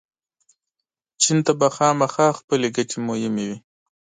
چین ته به خامخا خپلې ګټې مهمې وي.